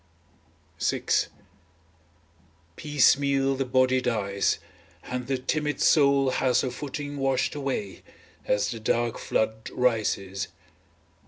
VI Piecemeal the body dies, and the timid soul has her footing washed away, as the dark flood rises.